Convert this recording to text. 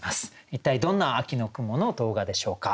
一体どんな秋の雲の動画でしょうか。